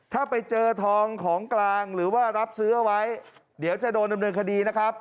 ถ้าไปเจอทองของกลางหรือว่ารับซื้อเอาไว้เดี๋ยวจะโดนดำเนินคดีนะครับ